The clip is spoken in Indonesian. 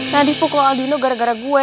nadif pukul aldino gara gara gue